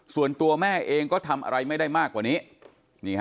ส่วนตัวแม่เองก็ทำอะไรไม่ได้มากกว่านี้